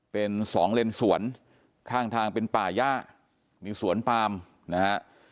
เป็นสองเลนสวนข้างทางเป็นป่าย่ามีสวนปามนะฮะ